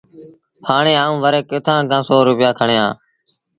هآڻي آئوݩ وري ڪٿآݩ کآݩ سو روپيآ کڻيٚ آݩ